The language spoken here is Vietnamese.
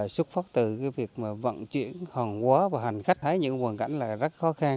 xuất phát từ việc vận chuyển hòn quá và hành khách thấy những hoàn cảnh rất khó khăn